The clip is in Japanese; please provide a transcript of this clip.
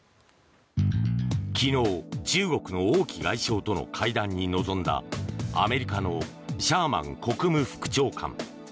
昨日中国の王毅外相との会談に臨んだアメリカのシャーマン国務副長官。